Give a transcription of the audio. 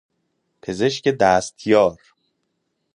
پزشک دستیار